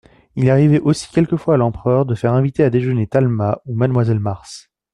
Il arrivait aussi quelquefois à l'empereur de faire inviter à déjeuner Talma ou mademoiselle Mars.